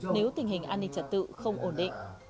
nếu tình hình an ninh trật tự không ổn định